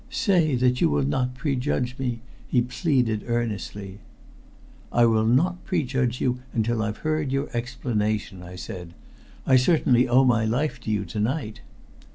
"Say that you will not prejudge me," he pleaded earnestly. "I will not prejudge you until I've heard your explanation," I said. "I certainly owe my life to you to night."